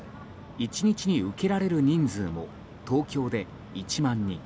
１日に受けられる人数も東京で１万人